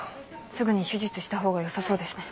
すぐに手術した方がよさそうですね。